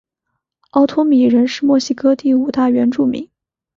奥托米人是墨西哥第五大原住民。